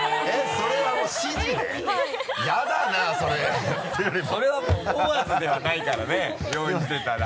それはもう思わずではないからね用意してたら。